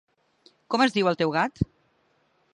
Com es diu el teu gat?